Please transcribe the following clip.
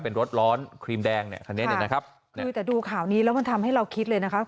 เป็นรถร้อนครีมแดงเนี่ยคันนี้เนี่ยนะครับคือแต่ดูข่าวนี้แล้วมันทำให้เราคิดเลยนะคะ